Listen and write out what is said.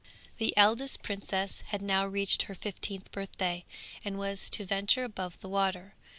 The eldest princess had now reached her fifteenth birthday, and was to venture above the water.